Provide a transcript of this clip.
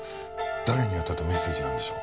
誰に宛てたメッセージなんでしょう？